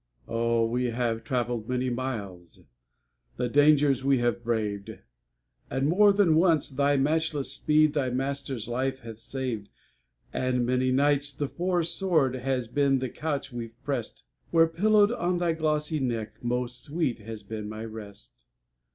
Oh! we have travelled many miles, And dangers have we braved; And more than once thy matchless speed Thy master's life hath saved; And many nights the forest sward Has been the couch we've pressed, Where, pillowed on thy glossy neck, Most sweet has been my rest.